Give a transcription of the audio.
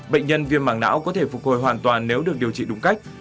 bệnh nhân viêm mảng não có thể phục hồi hoàn toàn nếu được điều trị đúng cách